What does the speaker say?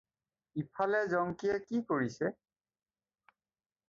ইফালে জংকিয়ে কি কৰিছে?